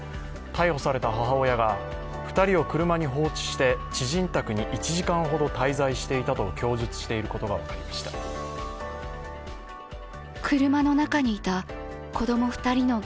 逮捕された母親が、２人を車に放置して知人宅に１時間ほど滞在していたと供述していることが分かりました。